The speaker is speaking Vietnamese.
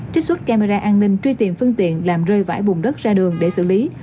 trích xuất camera an ninh truy tìm phương tiện làm rơi vãi bùng đất ra đường để xử lý